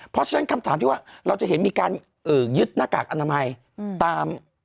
เพราะฉะนั้นคำถามที่ว่าเราจะเห็นมีการยึดหน้ากากอนามัยตาม